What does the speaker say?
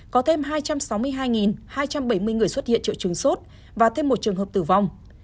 có thêm hai trăm sáu mươi hai hai trăm bảy mươi người xuất hiện triệu chứng sốt và thêm một trường hợp tử vong